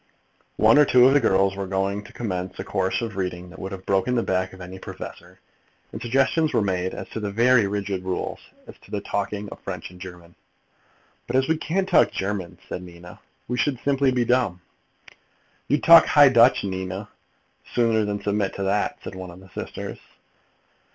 One or two of the girls were going to commence a course of reading that would have broken the back of any professor, and suggestions were made as to very rigid rules as to the talking of French and German. "But as we can't talk German," said Nina, "we should simply be dumb." "You'd talk High Dutch, Nina, sooner than submit to that," said one of the sisters.